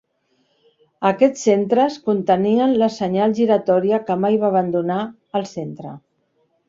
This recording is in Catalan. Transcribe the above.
Aquests centres contenien la senyal giratòria que mai va abandonar el centre.